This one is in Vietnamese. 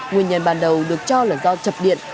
nguyên nhân ban đầu được cho là do chập điện